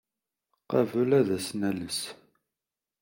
Qabel ad as-nales.